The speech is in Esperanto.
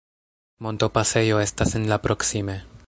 Montopasejo estas en la proksime.